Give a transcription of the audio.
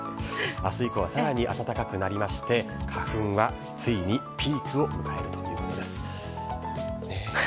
あす以降はさらに暖かくなりまして、花粉はついにピークを迎えるということです。ねぇ。